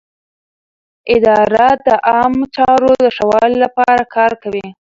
اداره د عامه چارو د ښه والي لپاره کار کوي.